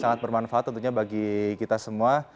sangat bermanfaat tentunya bagi kita semua